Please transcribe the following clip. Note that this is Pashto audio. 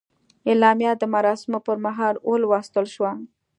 اعلامیه د مراسمو پر مهال ولوستل شوه.